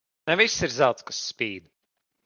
Ne viss ir zelts, kas spīd.